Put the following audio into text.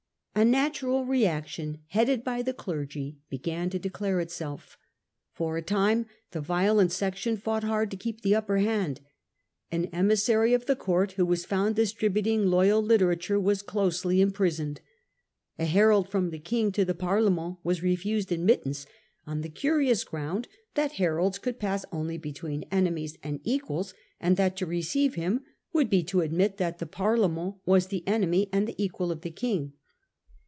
A Natural reaction, headed by the clergy, began to 1649. The Twelve Weeks? War. 43 declare itself. For a time the violent section fought hard to keep the upper hand. An emissary of the court who was found distributing loyal literature was closely im Reactionin prisoned. A herald from the King to the fkvourofthe ^ ar ^ emen l was refused admittance on the court. curious ground that heralds could pass only between enemies and equals, and that to receive him would be to admit that the Parlement was the enemy and the equal of the King.